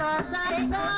nah ini sudah hilang